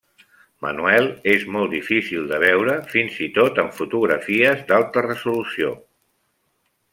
Manuel és molt difícil de veure, fins i tot en fotografies d'alta resolució.